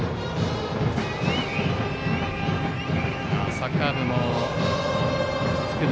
サッカー部も含む